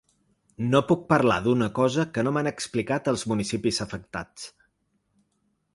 No puc parlar d’una cosa que no m’han explicat els municipis afectats.